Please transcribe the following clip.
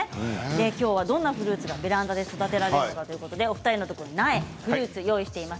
きょうはどんなフルーツがベランダで育てられるのかお二人の前に苗とフルーツを用意しています。